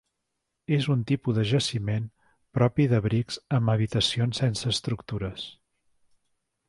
És un tipus de jaciment propi d'abrics amb habitacions sense estructures.